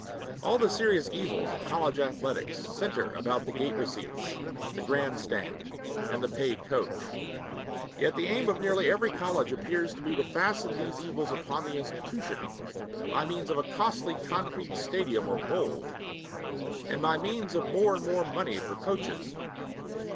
All the serious evils of college athletics centre about the gate receipts, the grandstand, and the paid coach. Yet the aim of nearly every college appears to be to fasten these evils upon the institution by means of a costly concrete stadium or bowl, and by means of more and more money for coaches.